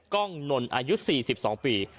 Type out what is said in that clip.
กล้องนนอายุ๔๒ปี